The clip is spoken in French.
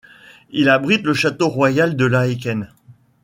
Il abrite le Château Royal de Laeken.